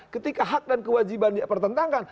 ketika hak dan kewajiban dipertentangkan